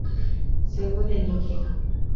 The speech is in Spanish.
Según el Ing.